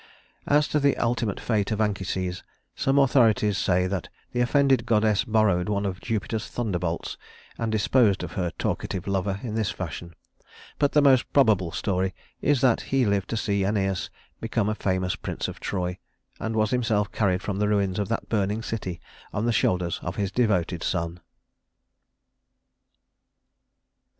As to the ultimate fate of Anchises, some authorities say that the offended goddess borrowed one of Jupiter's thunderbolts and disposed of her talkative lover in this fashion; but the most probable story is that he lived to see Æneas become a famous prince of Troy, and was himself carried from the ruins of that burning city on the shoulders of his devoted son.